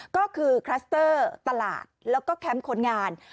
ก็คือคลัสเตอร์ตลาดแล้วก็แคมป์คนงาน